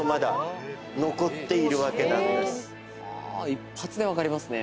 一発で分かりますね。